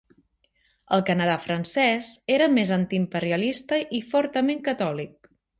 El Canadà francès era més antiimperialista i fortament catòlic.